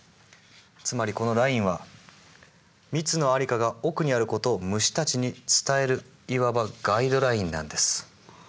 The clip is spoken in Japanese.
つまりこのラインは蜜の在りかが奥にあることを虫たちに伝えるいわばガイドラインなんです。